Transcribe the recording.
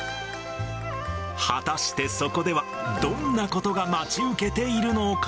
果たしてそこでは、どんなことが待ち受けているのか。